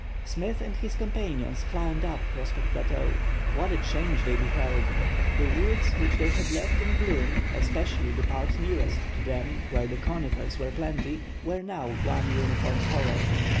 Smith and his companions climbed up Prospect Plateau. What a change they beheld! The woods which they had left in bloom, especially the part nearest to them where the conifers were plenty, were now one uniform color.